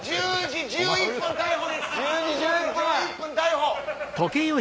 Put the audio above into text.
１０時１１分逮捕！